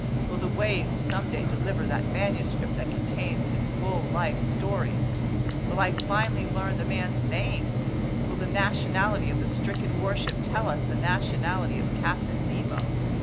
Will the waves someday deliver that manuscript that contains his full life story? Will I finally learn the man's name? Will the nationality of the stricken warship tell us the nationality of Captain Nemo?